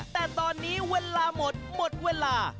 แต่ตอนนี้เวลาหมดหมดเวลา